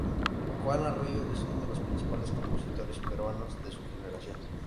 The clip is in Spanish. Juan Arroyo es uno de los principales compositores peruanos de su generación.